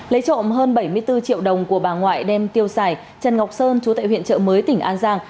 lấy trộm hơn bảy mươi bốn triệu đồng của bà ngoại đem tiêu xài trần ngọc sơn chú tại huyện trợ mới tỉnh an giang